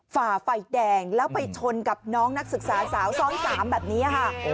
ฝ่าไฟแดงแล้วไปชนกับน้องนักศึกษาสาวซ้อน๓แบบนี้ค่ะ